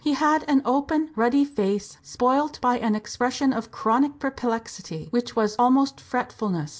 He had an open, ruddy face, spoilt by an expression of chronic perplexity, which was almost fretfulness.